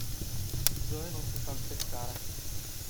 Zoe, non si fa aspettare.